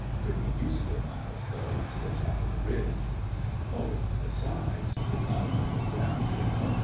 Pretty useful miles, though, to the top of the ridge." ". Oh, besides ; it's not only the ground, you know.